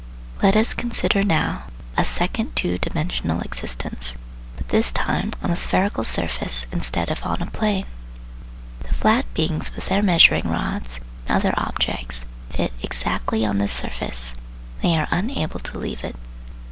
Let us consider now a second two dimensional existence, but this time on a spherical surface instead of on a plane. The flat beings with their measuring rods and other objects fit exactly on this surface and they are unable to leave it.